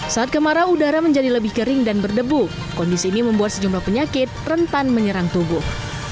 saat kemarau udara menjadi lebih kering dan berdebu kondisi ini membuat sejumlah penyakit rentan menyerang tubuh